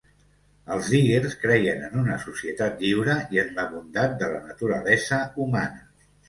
Els Diggers creien en una societat lliure i en la bondat de la naturalesa humana.